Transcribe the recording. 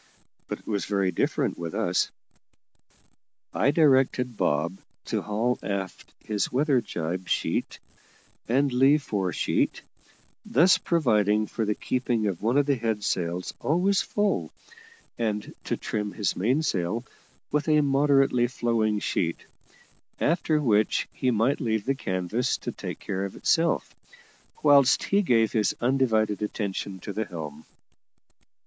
But it was very different with us. I directed Bob to haul aft his weather jib sheet and lee fore sheet, thus providing for the keeping of one of the head sails always full, and to trim his mainsail with a moderately flowing sheet; after which he might leave the canvas to take care of itself, whilst he gave his undivided attention to the helm.